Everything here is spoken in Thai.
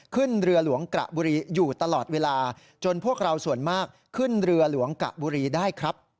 ขึ้นเรือหลวงกระบุรีอยู่ตลอดเวลาจนพวกเราส่วนมากขึ้นเรือหลวงกระบุรีได้ครับ